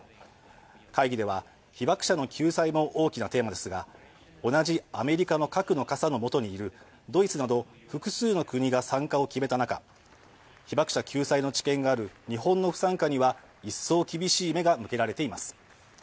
会議では、被爆者の救済も大きなテーマですが同じアメリカの核の傘のもとにいるドイツなど複数の国が参加を決めた中被爆者救済の知見がある日本の不参加には一層厳しい目が向けられています。